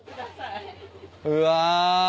うわ。